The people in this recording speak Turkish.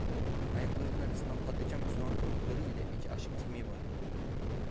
Ayaklarının arasında patlıcan ve soğan kabukları ile iki aşık kemiği vardı.